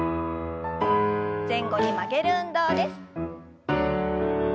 前後に曲げる運動です。